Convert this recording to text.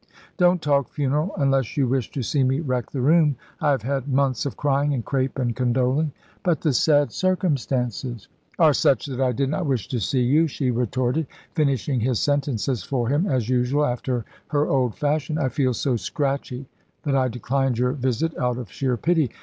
"Don't talk funeral, unless you wish to see me wreck the room. I have had months of crying and crape and condoling." "But the sad circumstances " "Are such that I did not wish to see you," she retorted, finishing his sentences for him as usual, after her old fashion. "I feel so scratchy that I declined your visit out of sheer pity.